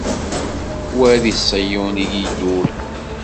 Wa di Ṣiyun i ilul.